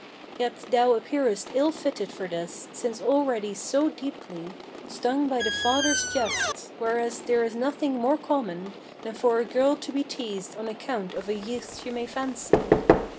Yet thou appearest ill fitted for this, since already so deeply Stung by the father's jests: whereas there is nothing more common Than for a girl to be teased on account of a youth she may fancy."